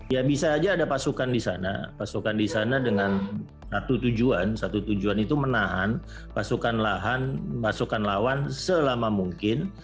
ya bisa saja ada pasukan di sana pasukan di sana dengan satu tujuan satu tujuan itu menahan pasukan lawan selama mungkin